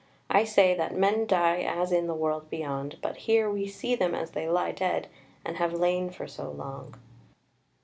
I say that men die as in the world beyond, but here we see them as they lie dead, and have lain for so long."